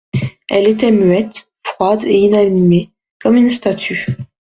Elle était muette, froide et inanimée comme une statue.